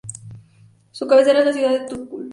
Su cabecera es la ciudad de Ticul.